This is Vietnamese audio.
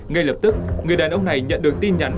ngay lập tức người đàn ông này nhận được tin nhắn